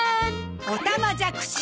おたまじゃくし！